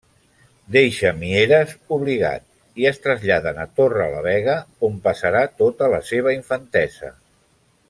Deixa Mieres obligat i es traslladen a Torrelavega on passarà tota la seva infantesa.